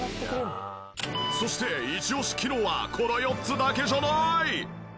そしてイチオシ機能はこの４つだけじゃなーい！